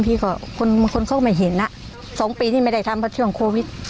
พี่ก็คนคนเข้ามาเห็นอ่ะสองปีที่ไม่ได้ทำเพราะช่วงโควิด